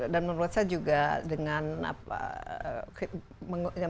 dan menurut saya juga dengan